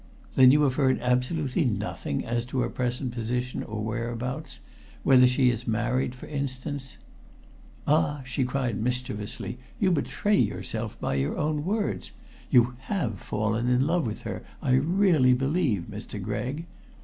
"Then you have heard absolutely nothing as to her present position or whereabouts whether she is married, for instance?" "Ah!" she cried mischievously. "You betray yourself by your own words. You have fallen in love with her, I really believe, Mr. Gregg.